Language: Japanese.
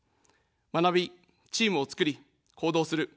学び、チームをつくり、行動する。